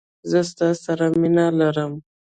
زه ستا سره مینه لرم.